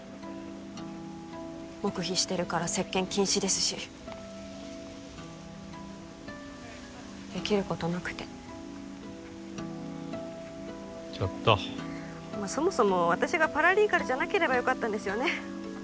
黙秘してるから接見禁止ですしできることなくてちょっとまあそもそも私がパラリーガルじゃなければよかったんですよね